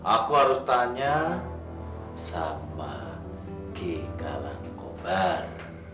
aku harus tanya sama gk langkobar